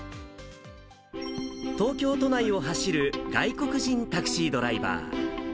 東京都内を走る外国人タクシードライバー。